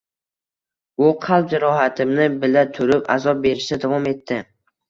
U qalb jarohatimni bila turib azob berishda davom etdi.